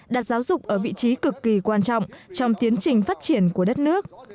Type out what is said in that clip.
đặt giáo dục ở vị trí cực kỳ quan trọng trong tiến trình phát triển của đất nước